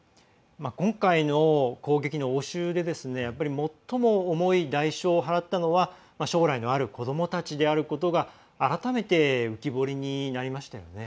今回の攻撃の応酬で最も重い代償を払ったのは将来のある子どもたちであることが改めて浮き彫りになりましたよね。